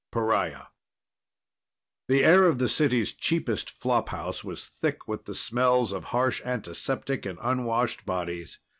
I Pariah The air of the city's cheapest flophouse was thick with the smells of harsh antiseptic and unwashed bodies.